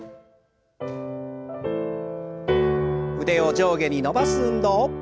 腕を上下に伸ばす運動。